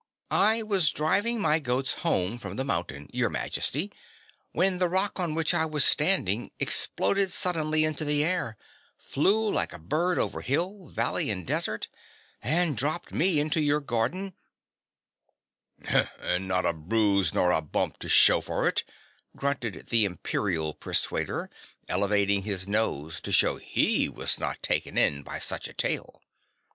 "I was driving my goats home from the mountain, Your Majesty, when the rock on which I was standing exploded suddenly into the air, flew like a bird over hill, valley, and desert and dropped me into your garden " "And not a bruise nor a bump to show for it," grunted the Imperial Persuader elevating his nose to show he was not taken in by such a tale.